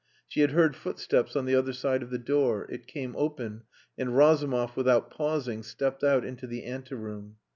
She had heard footsteps on the other side of the door. It came open, and Razumov, without pausing, stepped out into the ante room.